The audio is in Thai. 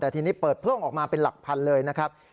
แต่ทีนี้เปิดโพร่งออกมาเป็นหลักพันเลยนะครับ